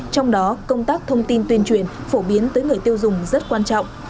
trong đó công tác thông tin tuyên truyền phổ biến tới người tiêu dùng rất quan trọng